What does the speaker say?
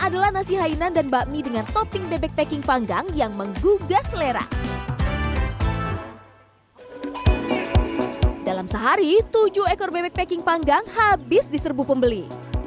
dalam sehari tujuh ekor bebek packing panggang habis diserbu pembeli